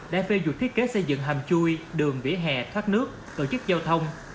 đã phê duyệt thiết kế xây dựng hầm chui đường vỉa hè thoát nước tổ chức giao thông